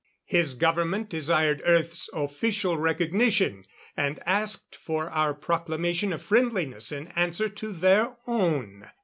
His government desired Earth's official recognition, and asked for our proclamation of friendliness in answer to their own.